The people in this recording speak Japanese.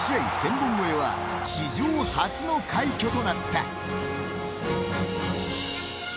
本超えは史上初の快挙となった。